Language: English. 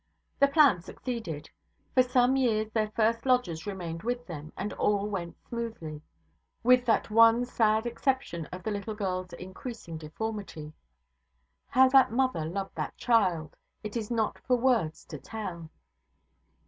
The plan succeeded. For some years their first lodgers remained with them, and all went smoothly with that one sad exception of the little girl's increasing deformity. How that mother loved that child, it is not for words to tell!